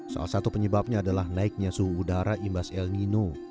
salah satu penyebabnya adalah naiknya suhu udara imbas el nino